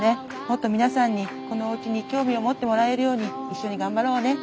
もっと皆さんにこのおうちに興味を持ってもらえるように一緒に頑張ろうね。